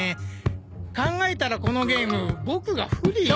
考えたらこのゲームボクが不利うん？